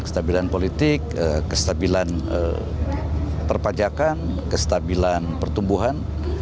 kestabilan politik kestabilan perpajakan kestabilan pertumbuhan